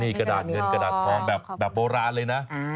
นี่กระดาษเงินกระดาษทองแบบโบราณเลยนะ